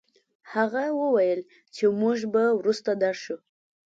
هغه وويل چې موږ به وروسته درشو.